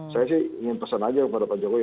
saya sih ingin pesan aja kepada pak jokowi